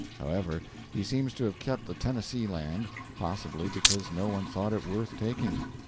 However, he seems to have kept the Tennessee land, possibly because no one thought it worth taking.